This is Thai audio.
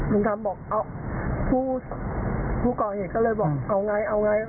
ลุงคำบอกเอาผู้ก่อเหตุก็เลยบอกเอาไงเอาไง